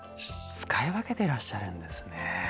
使い分けてらっしゃるんですね。